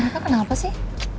mereka kenapa sih